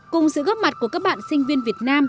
cùng sự góp mặt của các bạn sinh viên việt nam